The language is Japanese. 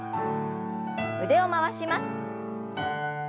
腕を回します。